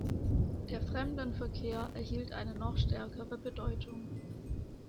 Der Fremdenverkehr erhielt eine noch stärkere Bedeutung.